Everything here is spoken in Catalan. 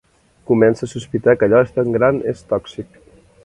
Comença a sospitar que allò tan gran és tòxic.